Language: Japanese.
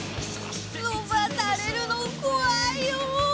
伸ばされるの怖いよ！